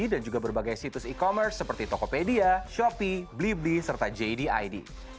dan juga berbagai situs e commerce seperti tokopedia shopee blibli serta jdid